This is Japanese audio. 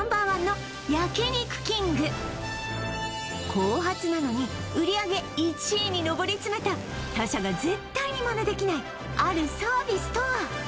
後発なのに売上１位に上り詰めた他社が絶対にマネできないあるサービスとは？